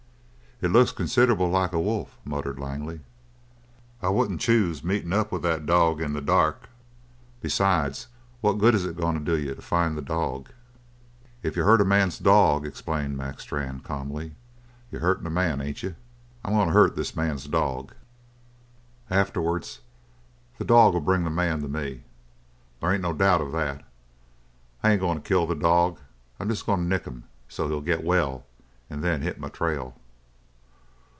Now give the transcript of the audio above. "It looks a considerable lot like a wolf," muttered Langley. "I wouldn't choose meetin' up with that dog in the dark. Besides, what good is it goin' to do you to find the dog?" "If you hurt a man's dog," explained Mac Strann calmly, "you're hurting the man, ain't you? I'm going to hurt this man's dog; afterwards the dog'll bring the man to me. They ain't no doubt of that. I ain't goin' to kill the dog. I'm goin' to jest nick him so's he'll get well and then hit my trail."